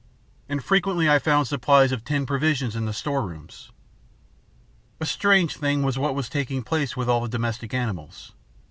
And frequently I found supplies of tinned provisions in the store rooms. "A strange thing was what was taking place with all the domestic animals.